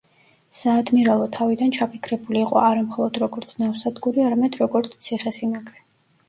საადმირალო თავიდან ჩაფიქრებული იყო არა მხოლოდ როგორც ნავსადგური, არამედ როგორც ციხესიმაგრე.